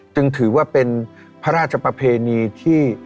จึงถือว่าเป็นพระราชประเพณีที่